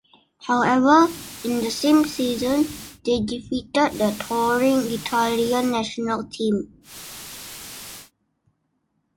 However, in the same season they defeated the touring Italian national team.